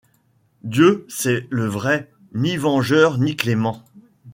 Dieu, c’est le vrai. Ni vengeur, ni clément ;